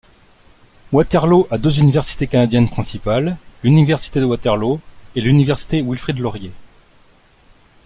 Waterloo a deux universités canadiennes principales, l'Université de Waterloo, et l'Université Wilfrid Laurier.